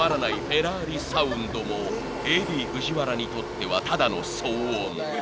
フェラーリサウンドもＡＤ藤原にとってはただの騒音］